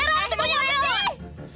erang tuh punya gue